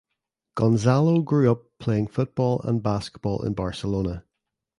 Gonzalo grew up playing football and basketball in Barcelona.